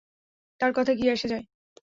তার কথায় কী আসে যায়!